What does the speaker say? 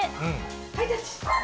ハイタッチ。